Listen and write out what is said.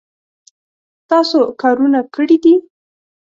تاسو کارونه کړي دي